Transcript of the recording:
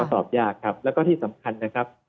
มันสอบยากแล้วก็ที่สำคัญนะครับ